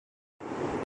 اتنی ہمت نہیں۔